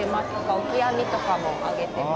オキアミとかもあげてます。